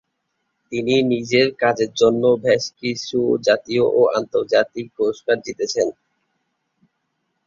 তিনি নিজের কাজের জন্য বেশকিছু জাতীয় ও আন্তর্জাতিক পুরস্কার জিতেছেন।